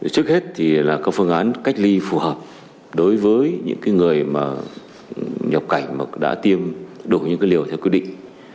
trước hết thì là có phương án cách ly phù hợp đối với những người nhập cảnh mà đã tiêm đủ những liều theo quy định